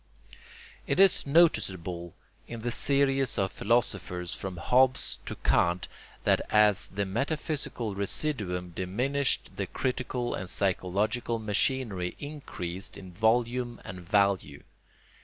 It is noticeable in the series of philosophers from Hobbes to Kant that as the metaphysical residuum diminished the critical and psychological machinery increased in volume and value.